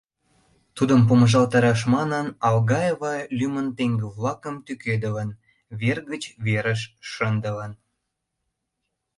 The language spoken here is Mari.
Тудым помыжалтараш манын, Алгаева лӱмын теҥгыл-влакым тӱкедылын, вер гыч верыш шындылын.